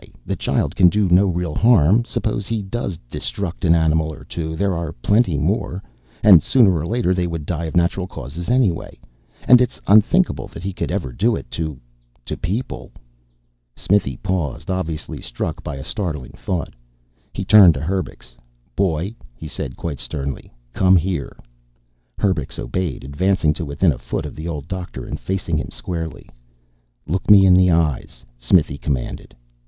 The child can do no real harm. Suppose he does 'destruct' an animal or two? There are plenty more. And sooner or later they would die of natural causes, anyway. And it's unthinkable that he could ever do it to to people ..." Smithy paused, obviously struck by a startling thought. He turned to Herbux. "Boy," he said, quite sternly. "Come here." Herbux obeyed, advancing to within a foot of the old doctor and facing him squarely. "Look me in the eyes," Smithy commanded.